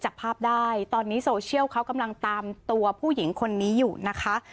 จับภาพได้ตอนนี้โซเชียลเขากำลังตามตัวผู้หญิงคนนี้อยู่นะคะ